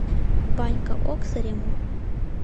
Ванька ок сыре мо?